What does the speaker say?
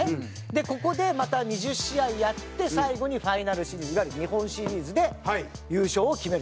ここでまた２０試合やって最後にファイナルシリーズいわゆる日本シリーズで優勝を決めると。